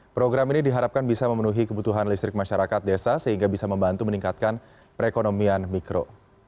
program ini diharapkan bisa memenuhi kebutuhan listrik masyarakat desa sehingga bisa membantu meningkatkan perekonomian mikro